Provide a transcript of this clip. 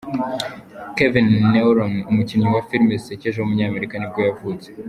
Kevin Nealon, umukinnyi wa filime zisekeje w’umunyamerika nibwo yavutse.